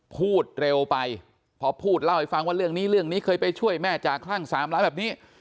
พูดเร็วไปพอพูดเล่าให้ฟังว่าเรื่องนี้เรื่องนี้เคยไปช่วยแม่จากคลั่ง๓ล้านแบบนี้